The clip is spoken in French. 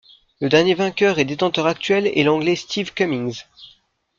Le dernier vainqueur et détenteur actuel est l'anglais Steve Cummings.